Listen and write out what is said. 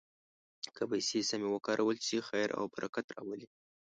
که پیسې سمې وکارول شي، خیر او برکت راولي.